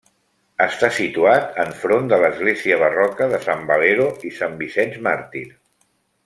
Està situat enfront de l'església barroca de Sant Valero i Sant Vicent Màrtir.